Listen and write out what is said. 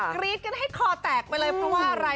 กรี๊ดกันให้คอแตกไปเลยเพราะว่าอะไร